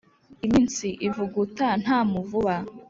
Iminsi ivuguta nta muvuba.